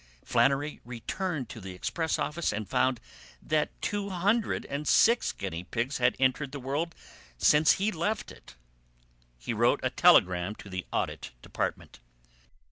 Flannery returned to the express office and found that two hundred and six guinea pigs had entered the world since he left it. He wrote a telegram to the Audit Department.